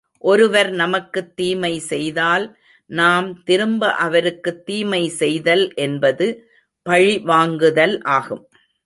ஒருவர் நமக்குத் தீமை செய்தால் நாம் திரும்ப அவருக்குத் தீமை செய்தல் என்பது பழி வாங்குதல் ஆகும்.